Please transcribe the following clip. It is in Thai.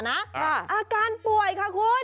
อาการป่วยค่ะคุณ